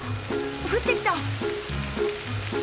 降ってきた！